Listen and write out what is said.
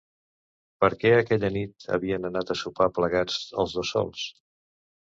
Per què aquella nit havien anat a sopar plegats, els dos sols?